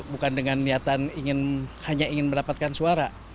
bukan dengan niatan hanya ingin mendapatkan suara